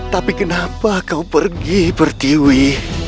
tapi kenapa kau pergi pertiwi